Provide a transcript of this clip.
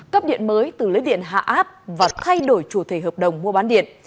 cấp điện mới từ lưới điện hạ áp và thay đổi chủ thể hợp đồng mua bán điện